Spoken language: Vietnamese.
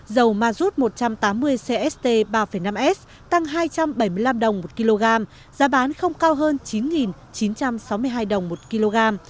dầu mazut một trăm tám mươi cst ba năm s tăng hai trăm bảy mươi năm đồng một kg giá bán không cao hơn chín chín trăm sáu mươi hai đồng một kg